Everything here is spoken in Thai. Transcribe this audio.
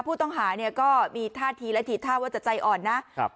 ผู้ต้องหาเนี่ยก็มีท่าทีและถี่ท่าว่าจะใจอ่อนนะครับ